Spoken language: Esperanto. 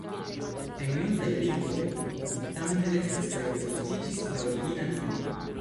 En multaj lingvoj tamen restis kaj disvastiĝis la origina nomo.